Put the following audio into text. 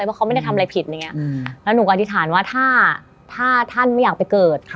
เพราะเขาไม่ได้ทำอะไรผิดอย่างนี้แล้วหนูก็อธิษฐานว่าถ้าท่านไม่อยากไปเกิด